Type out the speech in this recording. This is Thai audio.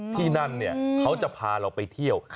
ที่นั่นเขาจะพาเราไปเที่ยว